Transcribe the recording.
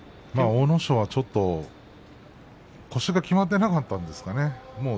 阿武咲はちょっと、腰がきまっていなかったんですかね。